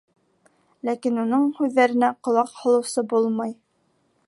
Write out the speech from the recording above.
Ләкин уның һүҙҙәренә ҡолаҡ һалыусы булмай.